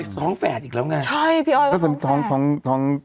แจ้วใจทั้งก่อนไปบ้านปุ๊ตไง